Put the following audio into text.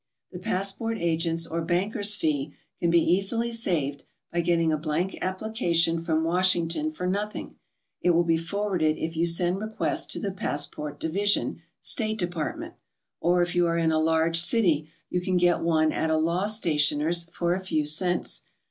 The passport agent's or banker's fee can be easily saved by getting a blank application from Washington for nothing; it will be forwarded if you send request to the Passport Division, State Department; or if you are in a large city, you can get one at a law stationer's for a few cents.